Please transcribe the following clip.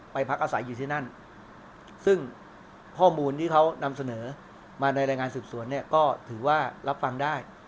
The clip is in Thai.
พักอาศัยอยู่ที่นั่นซึ่งข้อมูลที่เขานำเสนอมาในรายงานสืบสวนเนี่ยก็ถือว่ารับฟังได้